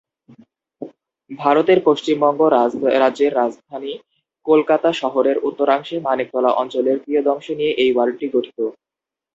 ভারতের পশ্চিমবঙ্গ রাজ্যের রাজধানী কলকাতা শহরের উত্তরাংশে মানিকতলা অঞ্চলের কিয়দংশ নিয়ে এই ওয়ার্ডটি গঠিত।